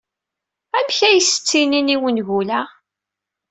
Amek ay as-ttinin i wengul-a?